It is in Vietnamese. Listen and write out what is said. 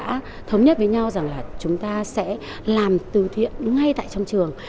chúng tôi đã thống nhất với nhau rằng là chúng ta sẽ làm từ thiện ngay tại trong trường